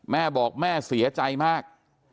แม่บอกแม่เสียใจมาก